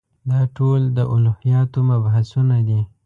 دا ټول د الهیاتو مبحثونه دي.